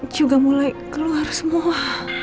juga mulai keluar semua